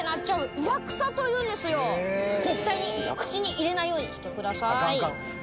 絶対に口に入れないようにしてください。